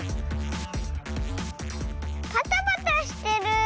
パタパタしてる！